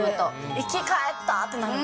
生き返ったってなる。